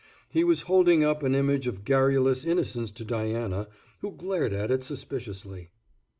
He was holding up an image of garrulous innocence to Diana, who glared at it suspiciously.